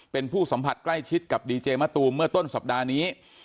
เป็นผู้สัมผัสใกล้ชิดกับดีเจมะตูมเมื่อต้นสัปดาห์นี้